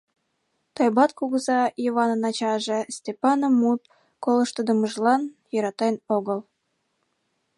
Тойбат кугыза, Йыванын ачаже, Стапаным мут колыштдымыжлан йӧратен огыл.